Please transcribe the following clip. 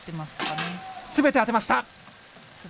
すべて当てました。